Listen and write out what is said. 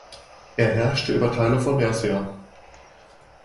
Er herrschte über Teile von Mercia.